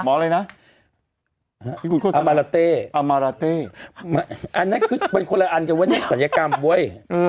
พี่หนุ่มเสร็จแล้วเนี่ย